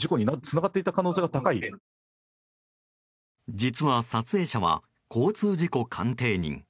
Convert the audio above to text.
実は撮影者は交通事故鑑定人。